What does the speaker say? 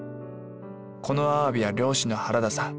このアワビは漁師の原田さん。